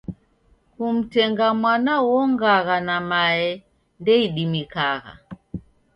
Kumtenga mwana uongagha na mae ndeidimikagha.